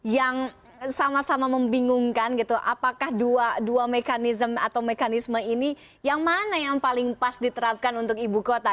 yang sama sama membingungkan gitu apakah dua mekanisme atau mekanisme ini yang mana yang paling pas diterapkan untuk ibu kota